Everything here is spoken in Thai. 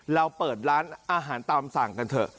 เราเปิดร้านอาหารตามสั่งกันเถอะ